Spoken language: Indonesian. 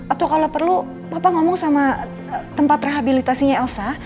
atau kalau perlu bapak ngomong sama tempat rehabilitasinya elsa